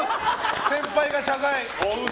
先輩が謝罪。